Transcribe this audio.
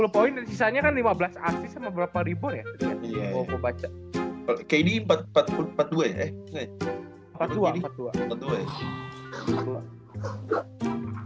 tiga puluh poin dan sisanya kan lima belas assist sama berapa ribuan ya